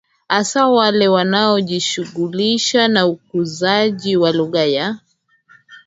hasa wale wanaojishughulisha na ukuzaji wa lugha ya